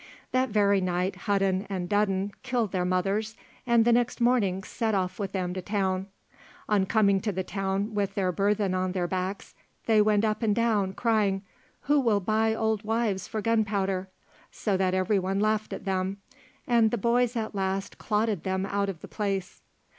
That very night Hudden and Dudden killed their mothers, and the next morning set off with them to town. On coming to the town with their burthen on their backs, they went up and down crying, "Who will buy old wives for gunpowder," so that everyone laughed at them, and the boys at last clotted them out of the place.